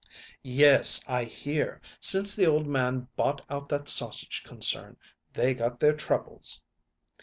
"Yes; I hear, since the old man bought out that sausage concern, they got their troubles."